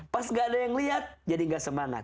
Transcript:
pas nggak ada yang lihat jadi nggak semangat